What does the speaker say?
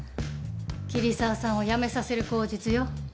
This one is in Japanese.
桐沢さんを辞めさせる口実よ。